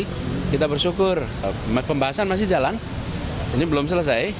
kita bersyukur pembahasan masih jalan ini belum selesai